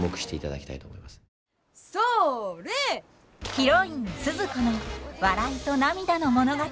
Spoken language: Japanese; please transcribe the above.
ヒロインスズ子の笑いと涙の物語。